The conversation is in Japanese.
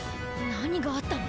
何があったの？